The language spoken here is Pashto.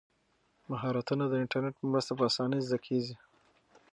مهارتونه د انټرنیټ په مرسته په اسانۍ زده کیږي.